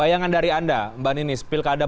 bayangan dari anda mbak ninis pilkada